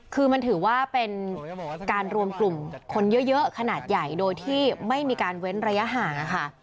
คือมันถือว่าเป็นการรวมกลุ่มคนเยอะขนาดใหญ่โดยที่ไม่มีการเว้นระยะห่างค่ะ